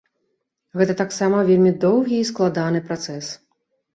Гэта таксам вельмі доўгі й складаны працэс.